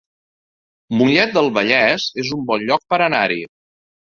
Mollet del Vallès es un bon lloc per anar-hi